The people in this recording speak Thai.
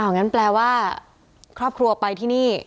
งั้นแปลว่าครอบครัวไปที่นี่